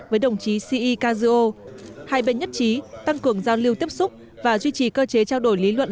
với đồng chí c e casio hai bên nhất trí tăng cường giao lưu tiếp xúc và duy trì cơ chế trao đổi lý luận